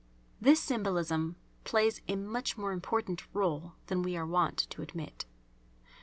This symbolism plays a much more important rôle than we are wont to admit.